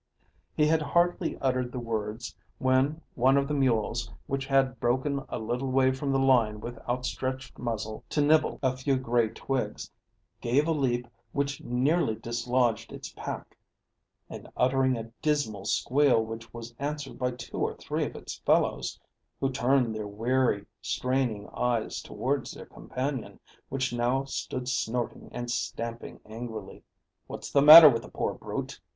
He had hardly uttered the words when one of the mules, which had broken a little way from the line with outstretched muzzle, to nibble a few grey twigs, gave a leap which nearly dislodged its pack, and uttering a dismal squeal which was answered by two or three of its fellows, who turned their weary, straining eyes towards their companion, which now stood snorting and stamping angrily. "What's the matter with the poor brute?"